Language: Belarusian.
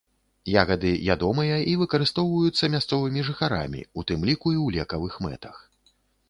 Ягады ядомыя і выкарыстоўваюцца мясцовымі жыхарамі, у тым ліку і ў лекавых мэтах.